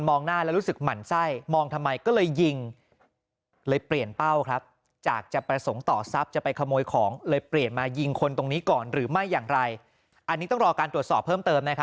มองหน้าแล้วรู้สึกหมั่นไส้มองทำไม